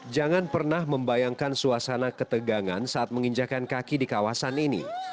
jangan pernah membayangkan suasana ketegangan saat menginjakan kaki di kawasan ini